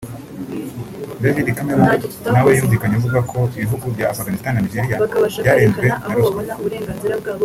David Cameron nawe yumvikanye avuga ko ibihugu bya Afghanistan na Nigeria byarenzwe na ruswa